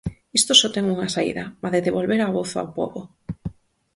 Isto só ten unha saída: a de devolver a voz ao pobo.